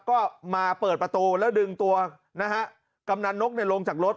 ก็มาเปิดประตูแล้วดึงตัวนะฮะกำนันนกลงจากรถ